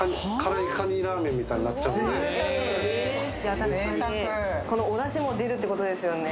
贅沢贅沢このお出汁も出るってことですよね